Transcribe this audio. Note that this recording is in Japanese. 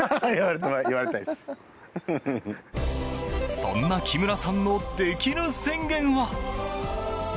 そんな木村さんのできる宣言は？